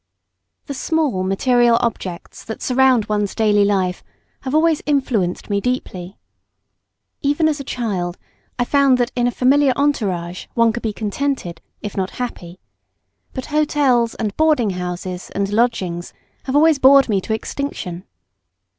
The small material objects that surround one's daily life have always influenced me deeply. Even as a child I found that in a familiar entourage one could be contented, if not happy; but hotels and boarding houses and lodgings have always bored me to extinction.